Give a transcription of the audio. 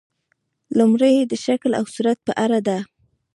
لومړۍ یې د شکل او صورت په اړه ده.